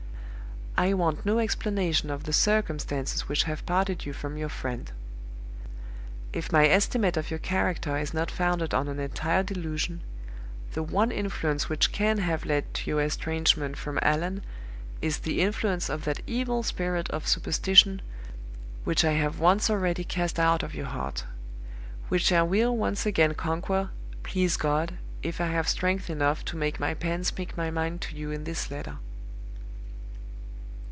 "I want no explanation of the circumstances which have parted you from your friend. If my estimate of your character is not founded on an entire delusion, the one influence which can have led to your estrangement from Allan is the influence of that evil spirit of Superstition which I have once already cast out of your heart which I will once again conquer, please God, if I have strength enough to make my pen speak my mind to you in this letter.